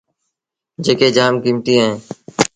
جيڪي جآم ڪيمتيٚ اهين۔